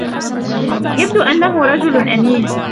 يبدو أنه رجل أمين.